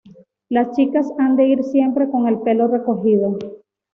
Las chicas han de ir siempre con el pelo recogido.